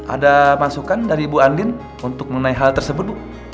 ada masukan dari bu andin untuk mengenai hal tersebut bu